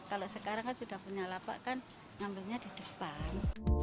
kalau sekarang kan sudah punya lapak kan ngambilnya di depan